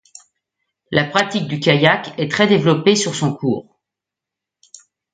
La pratique du kayak est très développée sur son cours.